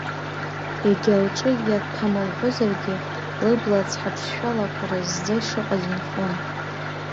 Егьа лҿы иаҭәам лҳәозаргьы, лыбла цхаԥшшәалақәа разӡа ишыҟаз инхон.